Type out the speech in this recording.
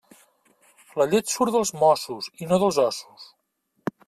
La llet surt dels mossos i no dels ossos.